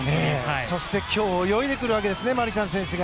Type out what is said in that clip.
そして今日泳いでくるわけですねマルシャン選手。